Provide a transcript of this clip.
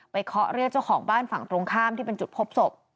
เคาะเรียกเจ้าของบ้านฝั่งตรงข้ามที่เป็นจุดพบศพ